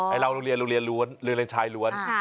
เราโรงเรียนโรงเรียนล้วนโรงเรียนชายล้วน